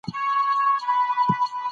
غږ کښته، لوړ، نرم یا کلک وي.